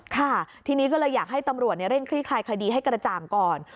ค่ะทีนี้ก็เลยอยากให้ตำรวจเร่งคลี่คลายคดีให้กระจ่างก่อน